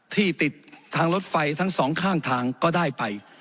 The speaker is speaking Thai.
ที่ติดทางรถไฟทั้งสองข้างทางก็ได้ไป